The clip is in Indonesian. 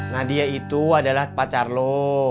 nadia itu adalah pacar lu